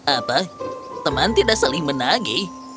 apa teman tidak saling menagih